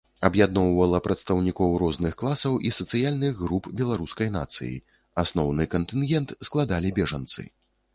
Аб'ядноўвала прадстаўнікоў розных класаў і сацыяльных груп беларускай нацыі, асноўны кантынгент складалі бежанцы.